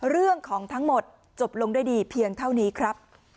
เรื่องของทั้งหมดจบลงด้วยดีเพียงเท่านี้ครับ